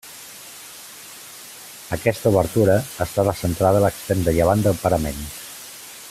Aquesta obertura està descentrada a l'extrem de llevant del parament.